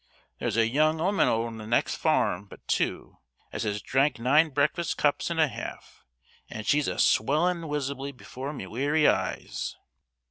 There's a young 'ooman on the next form but two, as has drank nine breakfast cups and a half; and she's a swellin' wisibly before my wery eyes."